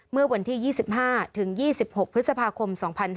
เมื่อวันที่๒๕ถึง๒๖พฤษภาคม๒๕๕๙